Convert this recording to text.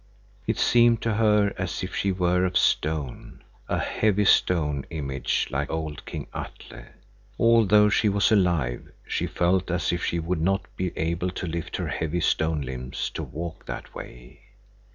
It seemed to her as if she were of stone, a heavy stone image like old King Atle. Although she was alive, she felt as if she would not be able to lift her heavy stone limbs to walk that way.